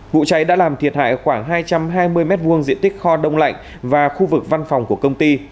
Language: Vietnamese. vụ cháy đã làm thiệt hại khoảng hai trăm hai mươi m hai diện tích kho đông lạnh và khu vực văn phòng của công ty